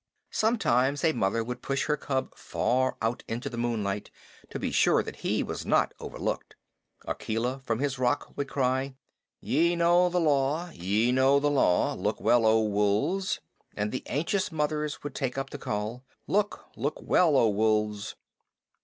Sometimes a mother would push her cub far out into the moonlight to be sure that he had not been overlooked. Akela from his rock would cry: "Ye know the Law ye know the Law. Look well, O Wolves!" And the anxious mothers would take up the call: "Look look well, O Wolves!"